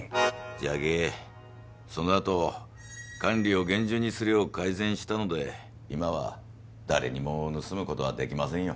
じゃけそのあと管理を厳重にするよう改善したので今は誰にも盗むことはできませんよ